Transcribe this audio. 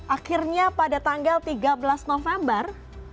akhirnya pada tanggal tiga belas november